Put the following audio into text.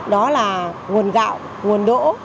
đó là nguồn gạo nguồn đỗ